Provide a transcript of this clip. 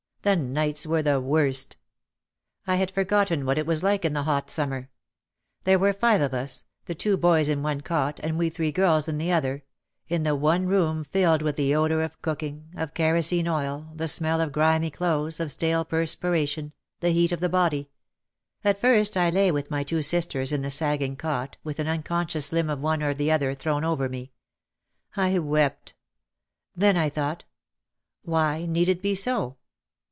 The nights were the worst. I had forgotten what it was like in the hot summer. There were five of us, the two boys in one cot and we three girls in the other, in the one room filled with the odour of cooking, of kerosene oil, the smell of grimy clothes, of stale perspiration, the heat of the body; at first as I lay with my two sisters in the sagging cot, with an unconscious limb of one or the other thrown over me, I wept. Then I thought, Why need it be so?